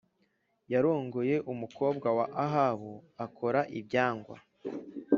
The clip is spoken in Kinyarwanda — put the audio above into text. yarongoye umukobwa wa Ahabu akora ibyangwa